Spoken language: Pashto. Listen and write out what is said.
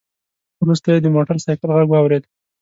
وروسته يې د موټر سايکل غږ واورېد.